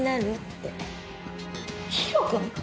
ヒロ君？